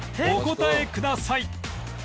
お答えください